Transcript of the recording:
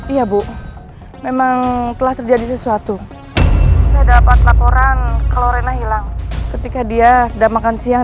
iya bu memang telah terjadi sesuatu saya dapat laporan klorena hilang ketika dia sedang makan siang